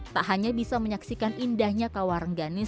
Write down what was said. tak hanya bisa menyaksikan indahnya kawarangganis